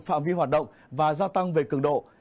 phạm vi hoạt động và gia tăng về cường độ